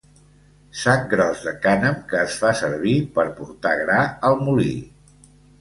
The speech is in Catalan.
Sac gros de cànem que es fa servir per portar gra al molí.